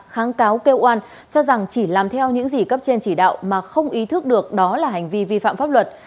kháng cáo kêu oan cho rằng chỉ làm theo những gì cấp trên chỉ đạo mà không ý thức được đó là hành vi vi phạm pháp luật